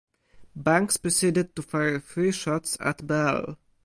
Banks proceeded to fire three shots at Bell.